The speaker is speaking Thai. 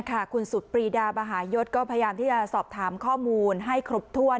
คุณสุดปรีดามหายศก็พยายามที่จะสอบถามข้อมูลให้ครบถ้วน